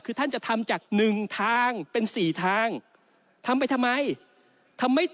คือท่านจะทำจากหนึ่งทางเป็นสี่ทางทำไปทำไมทำไม่